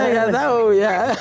gak tau ya